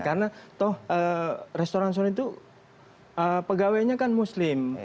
karena toh restoran suri itu pegawainya kan muslim